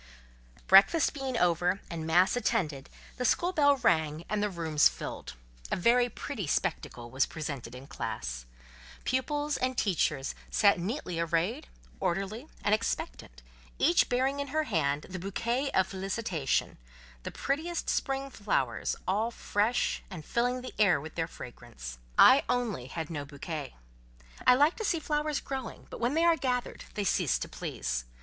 Breakfast being over and mass attended, the school bell rang and the rooms filled: a very pretty spectacle was presented in classe. Pupils and teachers sat neatly arrayed, orderly and expectant, each bearing in her hand the bouquet of felicitation—the prettiest spring flowers all fresh, and filling the air with their fragrance: I only had no bouquet. I like to see flowers growing, but when they are gathered, they cease to please.